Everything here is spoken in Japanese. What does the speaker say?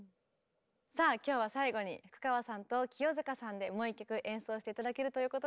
さあ今日は最後に福川さんと清塚さんでもう１曲演奏して頂けるということなんですが。